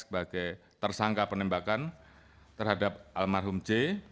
sebagai tersangka penembakan terhadap almarhum c